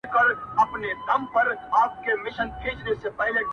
چيري ترخه بمبل چيري ټوکيږي سره ګلونه,